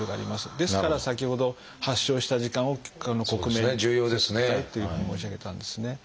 ですから先ほど発症した時間を克明にしておきたいっていうふうに申し上げたんですね。